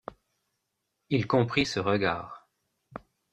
Il comprit ce regard.